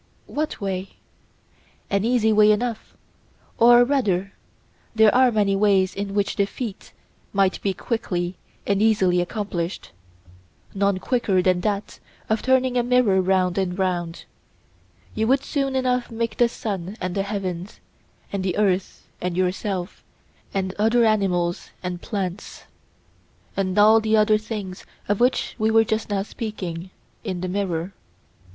What way? An easy way enough; or rather, there are many ways in which the feat might be quickly and easily accomplished, none quicker than that of turning a mirror round and round—you would soon enough make the sun and the heavens, and the earth and yourself, and other animals and plants, and all the other things of which we were just now speaking, in the mirror.